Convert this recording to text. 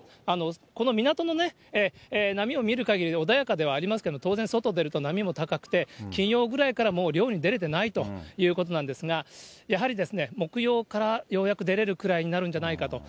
この港の波を見るかぎり、穏やかではありますけれども、当然、外出ると、波も高くて、金曜ぐらいからもう漁に出れてないということなんですが、やはり木曜からようやく出れるくらいになるんじゃないかと。